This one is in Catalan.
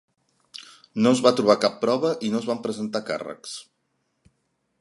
No es va trobar cap prova i no es van presentar càrrecs.